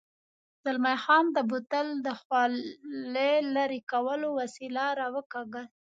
زلمی خان د بوتل د خولې لرې کولو وسیله را وکاږل.